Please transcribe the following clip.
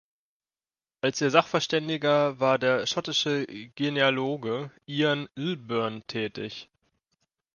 Als ihr Sachverständiger war der schottische Genealoge Ian Lilburn tätig.